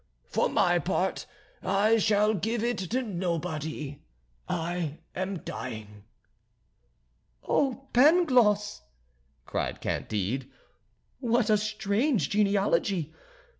For my part I shall give it to nobody, I am dying." "Oh, Pangloss!" cried Candide, "what a strange genealogy!